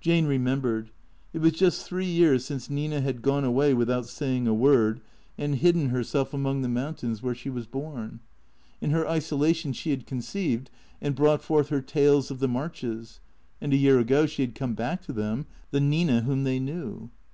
Jane remembered. It was just three years since Nina had gone away without saying a word and hidden herself among 104 T H E C E E A T 0 E S the mountains where she M'as born. In her isolation she had conceived and brought forth her " Tales of the Marches." And a year ago she had come back to them, the Nina whom they knew.